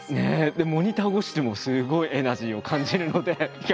でもモニター越しでもすごいエナジーを感じるのでいや